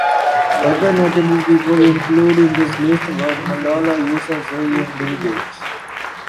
Other notable people included in this list were Malala Yousafzai and Bill Gates.